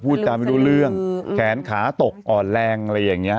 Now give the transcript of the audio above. พูดจาไม่รู้เรื่องแขนขาตกอ่อนแรงอะไรอย่างนี้